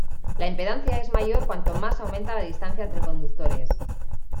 La impedancia es mayor cuanto más aumenta la distancia entre conductores.